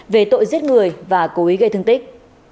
về tội giết người và cố ý gây thương tích